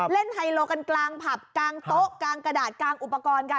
ไฮโลกันกลางผับกลางโต๊ะกลางกระดาษกลางอุปกรณ์กัน